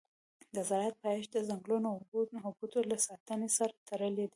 د زراعت پایښت د ځنګلونو او بوټو له ساتنې سره تړلی دی.